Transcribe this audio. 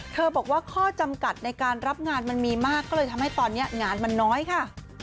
บอกว่าข้อจำกัดในการรับงานมันมีมากก็เลยทำให้ตอนนี้งานมันน้อยค่ะ